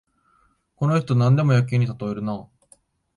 この人、なんでも野球にたとえるな